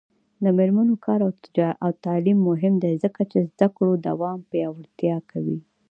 د میرمنو کار او تعلیم مهم دی ځکه چې زدکړو دوام پیاوړتیا کوي.